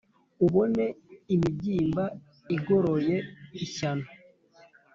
ubone imibyimba igoroye ibyano